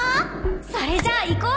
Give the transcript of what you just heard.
それじゃ行こう！